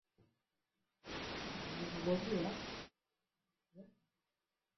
wamanyema eneo hilo Lakini kiuhalisia Waha walijikita kwenye kilimo na Wagoma walijikita kwenye Uvuvi